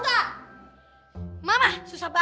yuh yang susah dibilang sama aku